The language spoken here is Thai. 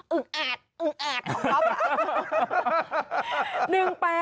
อึงแอดอึงแอดของก๊อปล่ะ